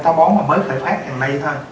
táo bón mà mới khởi phát gần đây thôi